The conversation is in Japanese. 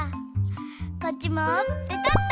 こっちもペタッと。